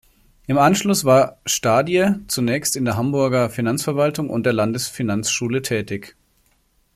Im Anschluss war Stadie zunächst in der Hamburger Finanzverwaltung und der Landesfinanzschule tätig.